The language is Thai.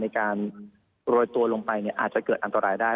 ในการโรยตัวลงไปอาจจะเกิดอันตรายได้